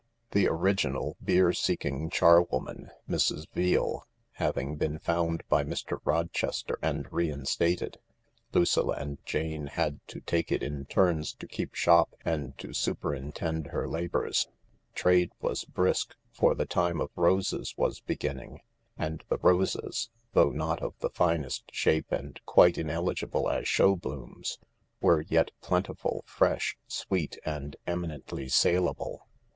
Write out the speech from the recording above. The original beer seeking charwoman, Mrs. Veale, having been found by Mr. Rochester and reinstated, Lucilla and Jane had to take it in turns to keep shop and to superintend her labours. Trade was brisk, for the time of roses was beginning, and the roses, though not of the finest shape and quite in eligible as show blooms, were yet plentiful, fresh, sweet, and eminently saleable.